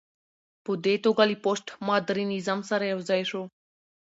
په دې توګه له پوسټ ماډرنيزم سره يوځاى شو